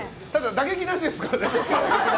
打撃なしですからね！